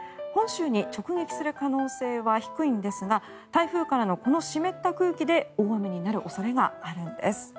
本州に直撃する可能性は低いんですが台風からの湿った空気で大雨にある恐れがあるんです。